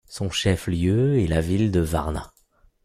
Son chef-lieu est la ville de Varna.